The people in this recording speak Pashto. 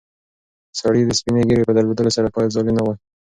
سړی د سپینې ږیرې په درلودلو سره باید ظالم نه وای.